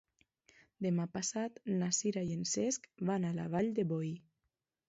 Demà passat na Sira i en Cesc van a la Vall de Boí.